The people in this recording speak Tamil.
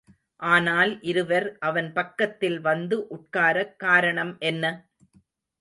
ஆனால் இருவர் அவன் பக்கத்தில் வந்து உட்காரக் காரணம் என்ன?